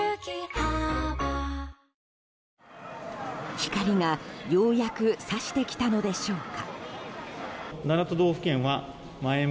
光がようやく差してきたのでしょうか。